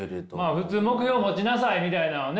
普通目標を持ちなさいみたいなのをね